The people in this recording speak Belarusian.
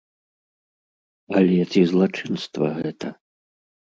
Але ці злачынства гэта?